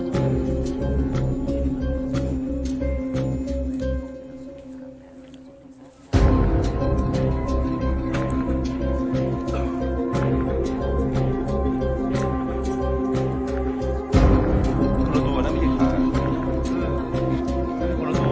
ครับครับครับ